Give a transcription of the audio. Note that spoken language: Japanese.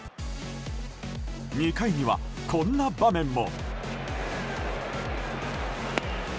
２回には、こんな場面も。